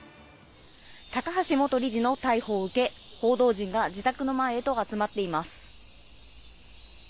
高橋元理事の逮捕を受け報道陣が自宅の前へと集まっています。